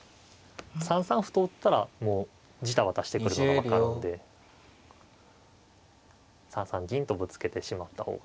３三歩と打ったらもうじたばたしてくるのが分かるんで３三銀とぶつけてしまった方が。